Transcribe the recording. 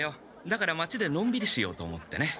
だから町でのんびりしようと思ってね。